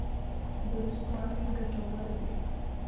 درستوالی ګټور دی.